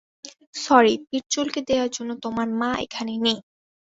Sorry, পিঠ চুলকে দেয়ার জন্য তোমার মা এখানে নেই।